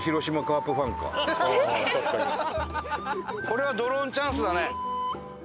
これはドローンチャンスだね。